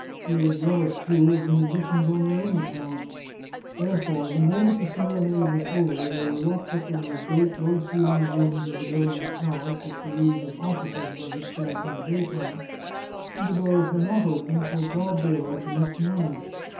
He was jealous, too, of the musicians on their own account. Therefore, the moment the serenade was over, they were locked up in those great, low ceilinged rooms of the governor's palace which were used as offices by his staff in the daytime, and the doors were not opened till broad daylight the next morning.